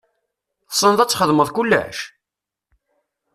Tessneḍ ad txedmeḍ kullec?